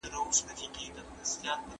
د ونو سیوری صدقه ده.